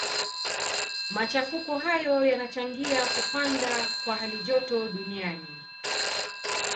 Machafuko hayo yanachangia kupanda kwa halijoto duniani.